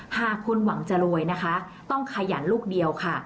หากคุณหวังจะรวยนะคะต้องขยันลูกเดียวค่ะ